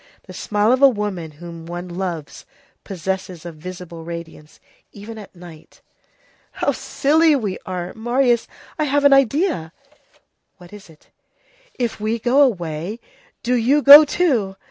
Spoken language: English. The smile of a woman whom one loves possesses a visible radiance, even at night. "How silly we are! Marius, I have an idea." "What is it?" "If we go away, do you go too!